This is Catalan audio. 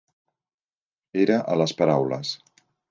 Era a les paraules.